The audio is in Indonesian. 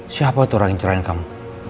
siapa itu orang yang menceraikan kamu